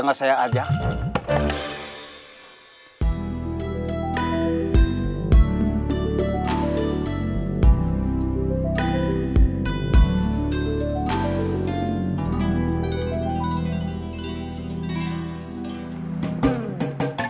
kenapa gak ngajak saya